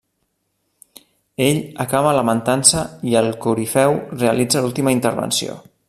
Ell acaba lamentant-se i el corifeu realitza l'última intervenció.